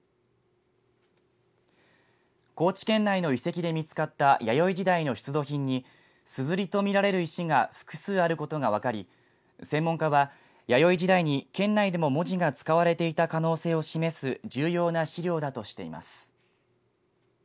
高知県内の遺跡で見つかった弥生時代の出土品にすずりと見られる石が複数あることが分かり専門家は弥生時代に県内でも文字が使われていた可能性を示す重要な資料だとしています。